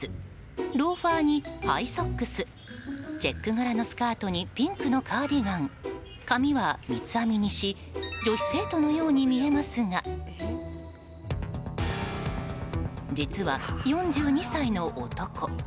ローファーにハイソックスチェック柄のスカートにピンクのカーディガン髪は三つ編みにし女子生徒のように見えますが実は４２歳の男。